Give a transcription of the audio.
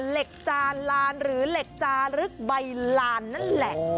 เหล็กจานลานหรือเหล็กจารึกใบลานนั่นแหละ